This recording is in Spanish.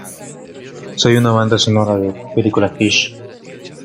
Soy una banda sonora de película Fish.